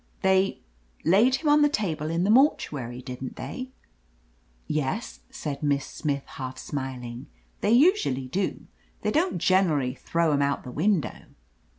They — ^laid him on the table in the mortuary, didn't they?" "Yes," said Miss Smith, half smiling. "They usually do. They don't generally throw 'em out the window."